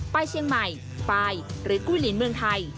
เชียงใหม่ปลายหรือกุ้ยลินเมืองไทย